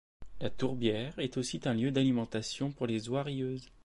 La tourbière est aussi un lieu d'alimentation pour les oies rieuses.